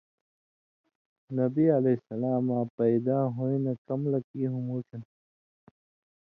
نبی علیہ سلاماں پیدا ہویں نہ کم لک یُوۡن٘ہہۡ موٹھیُوں،